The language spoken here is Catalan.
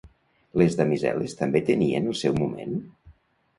Les damisel·les també tenien el seu moment?